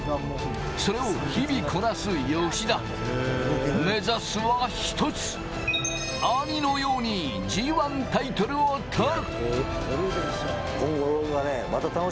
それを日々こなす吉田、目指すは一つ、兄のようにＧ１タイトルを取る。